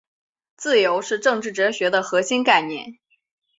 自由是政治哲学的核心概念。